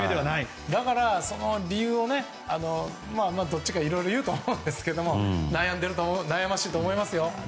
だから、理由をどっちかいろいろ言うと思うんですけど悩ましいと思いますよ。